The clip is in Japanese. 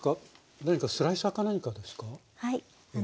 何かスライサーか何かですか？